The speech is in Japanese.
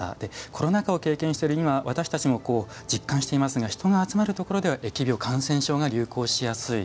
コロナ禍を経験している今私たちも実感していますが人が集まるところでは疫病、感染症が流行しやすい。